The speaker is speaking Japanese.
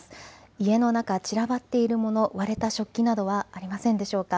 家の中、散らばっているもの割れた食器などはありませんでしょうか。